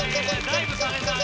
ダイブされたね。